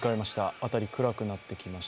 辺り暗くなってきました。